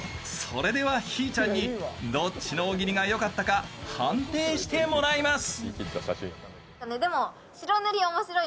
それではひぃちゃんにどっちの大喜利がよかったか判定してもらいます。